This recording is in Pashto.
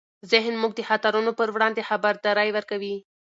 ذهن موږ د خطرونو پر وړاندې خبرداری ورکوي.